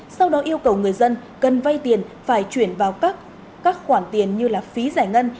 sau đó yêu cầu người dân cần vay tiền phải chuyển vào các khoản tiền như là phí giải ngân